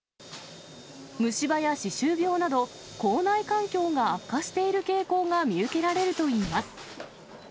虫歯や歯周病など、口内環境が悪化している傾向が見受けられるといいます。